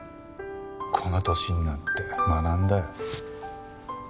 この年になって学んだよ。